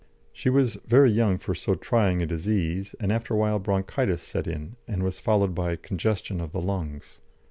She was very young for so trying a disease, and after a while bronchitis set in and was followed by congestion of the lungs.